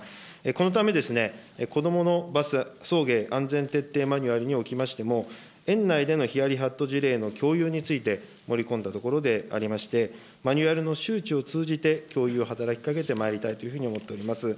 このためですね、子どものバス送迎安全徹底マニュアルにおきましても、園内でのヒヤリハット事例の共有について盛り込んだところでありまして、マニュアルの周知を通じて、共有を働きかけてまいりたいというふうに思っております。